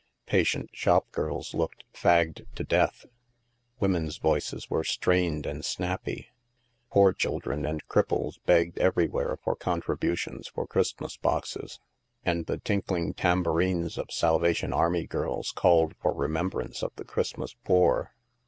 Patient shopgirls looked fagged to death. Women's voices were strained and snappy. Poor children and cripples begged everywhere for contributions for Christmas boxes. THE MAELSTROM 163 And the tinkling tambourines of Salvation Army girls called for remembrance of the Christmas poor.